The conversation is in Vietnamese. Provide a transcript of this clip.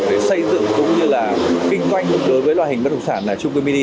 về xây dựng cũng như là kinh doanh đối với loại hình bất đồng sản là trung cư mini